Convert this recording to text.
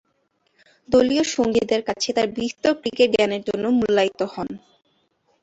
দলীয় সঙ্গীদের কাছে তার বিস্তর ক্রিকেট জ্ঞানের জন্য মূল্যায়িত হন।